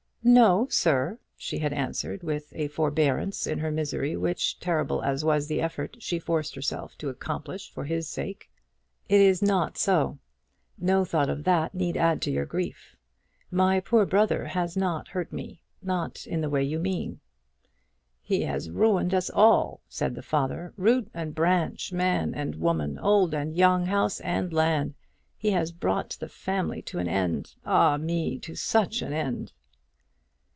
"No, sir," she had answered, with a forbearance in her misery, which, terrible as was the effort, she forced herself to accomplish for his sake. "It is not so. No thought of that need add to your grief. My poor brother has not hurt me; not in the way you mean." "He has ruined us all," said the father; "root and branch, man and woman, old and young, house and land. He has brought the family to an end; ah me, to such an end!"